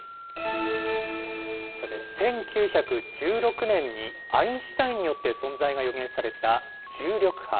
さて１９１６年にアインシュタインによって存在が予言された重力波。